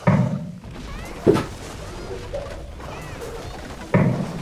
اونڻي اوني ڪيدو ڪو مني آج ايڪ موٺي ايتا